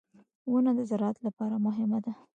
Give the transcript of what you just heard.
• ونه د زراعت لپاره مهمه ده.